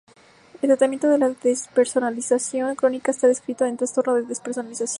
El tratamiento de la despersonalización crónica está descrito en: trastorno de despersonalización.